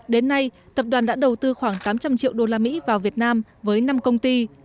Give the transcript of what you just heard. đến nay tập đoàn đã đầu tư khoảng tám trăm linh triệu usd vào việt nam với năm công ty